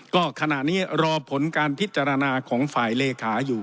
ก็ขณะนี้รอผลการพิจารณาของฝ่ายเลขาอยู่